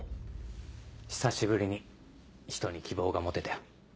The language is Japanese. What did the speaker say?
久しぶりに人に希望が持てたよ。